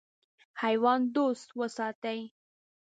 حیوان دوست وساتئ.